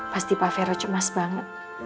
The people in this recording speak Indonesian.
pasti pak vero cemas banget